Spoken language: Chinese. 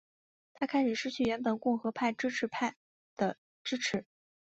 他开始失去原本共和派支持者的支持。